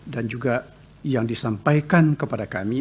dan juga yang disampaikan kepada kami